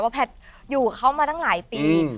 ว่าแพทย์อยู่เข้ามาตั้งหลายปี